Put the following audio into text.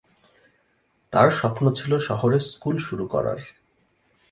তাঁর স্বপ্ন ছিল শহরে স্কুল শুরু করার।